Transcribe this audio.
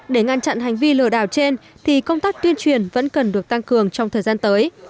để ngăn chặn hành vi lừa đảo trên thì công tác tuyên truyền vẫn cần được tăng cường trong thời gian tới